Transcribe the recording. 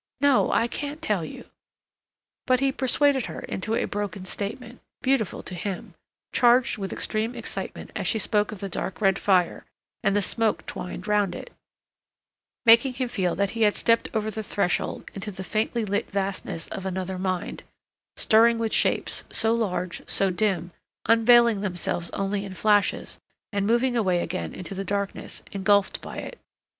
No, I can't tell you." But he persuaded her into a broken statement, beautiful to him, charged with extreme excitement as she spoke of the dark red fire, and the smoke twined round it, making him feel that he had stepped over the threshold into the faintly lit vastness of another mind, stirring with shapes, so large, so dim, unveiling themselves only in flashes, and moving away again into the darkness, engulfed by it.